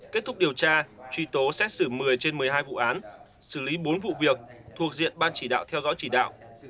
kết thúc điều tra truy tố xét xử một mươi trên một mươi hai vụ án xử lý bốn vụ việc thuộc diện ban chỉ đạo theo dõi chỉ đạo